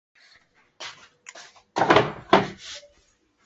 普拉默代表美国参加过世界游泳锦标赛。